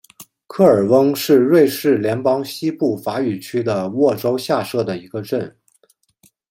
科尔翁是瑞士联邦西部法语区的沃州下设的一个镇。